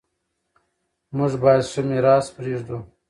موږ باید ښه میراث پریږدو.